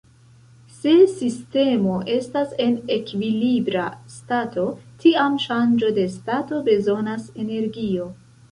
Se sistemo estas en ekvilibra stato tiam ŝanĝo de stato bezonas energio.